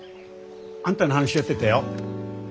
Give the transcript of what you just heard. あんたの話をしてたよ。